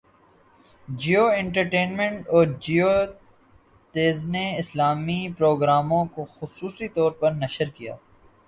Jio entertainment اور جیو تیز نے اسلامی پروگراموں کو خصوصی طور پر نشر کیا